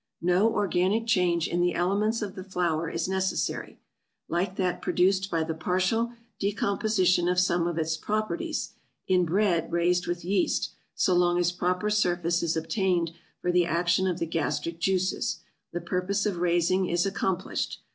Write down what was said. No organic change in the elements of the flour is necessary, like that produced by the partial decomposition of some of its properties, in bread raised with yeast; so long as proper surface is obtained for the action of the gastric juices, the purpose of raising is accomplished.